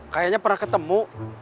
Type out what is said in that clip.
kayaknya pernah ketemu